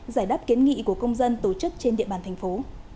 giải đáp kiến nghị của công dân tổ chức trên địa bàn thành phố